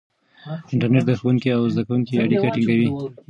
انټرنیټ د ښوونکي او زده کوونکي اړیکه ټینګوي.